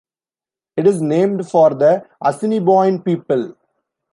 It is named for the Assiniboine people.